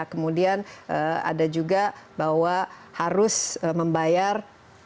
kemudian ada juga bahwa harus membayar